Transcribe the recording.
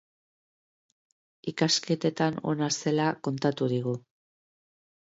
Ikasketetan ona zela kontatu digu.